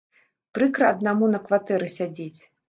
Прыкра аднаму на кватэры сядзець.